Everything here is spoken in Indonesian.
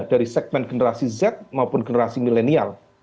dari segmen generasi z maupun generasi milenial